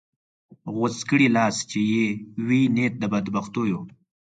غوڅ کړې لاس چې یې وي نیت د بدبختیو